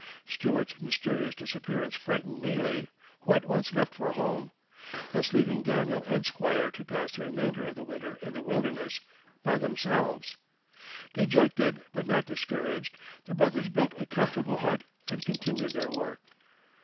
Stuart's mysterious disappearance frightened Neely, who at once left for home, thus leaving Daniel and Squire to pass the remainder of the winter in the wilderness by themselves. Dejected, but not discouraged, the brothers built a comfortable hut and continued their work.